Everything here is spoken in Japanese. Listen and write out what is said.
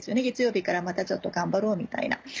月曜日からまたちょっと頑張ろうみたいな。